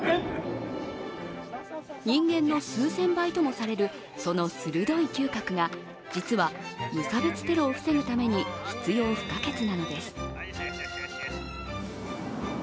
人間の数千倍ともされるその鋭い嗅覚が、実は無差別テロを防ぐために必要不可欠なのです。